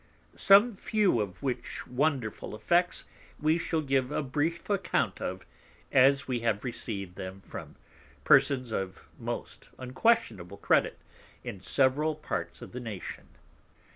Some few of which wonderful Effects we shall give a brief Account of, as we have received them from Persons of most unquestionable Credit in the several Parts of the Nation.